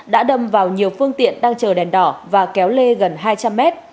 đã đâm vào nhiều phương tiện đang chờ đèn đỏ và kéo lê gần hai trăm linh mét